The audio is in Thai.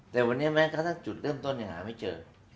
แต่วันนี้แม้กระทั่งจุดเริ่มต้นยังหาไม่เจอ